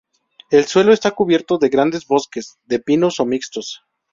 El suelo está cubierto de grandes bosques de pinos o mixtos.